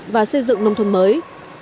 và xây dựng nông thôn mới